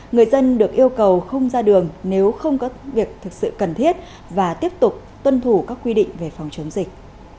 người dân được yêu cầu không ra đường nếu không có việc thực sự cần thiết và tiếp tục tuân thủ các quy định về phòng chống dịch